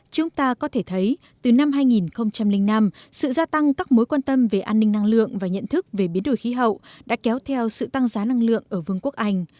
trong năm hai nghìn năm sự gia tăng các mối quan tâm về an ninh năng lượng và nhận thức về biến đổi khí hậu đã kéo theo sự tăng giá năng lượng ở vương quốc anh